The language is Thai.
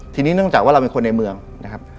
ทีนี้เนื่องจากว่าเราเป็นคนในเมืองนะครับ